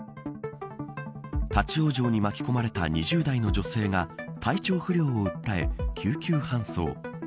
立ち往生に巻き込まれた２０代の女性が体調不良を訴え、救急搬送。